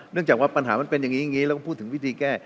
เนื่องจากว่าปัญหามันเป็นอย่างนี้แล้วก็พูดถึงวิธีแก้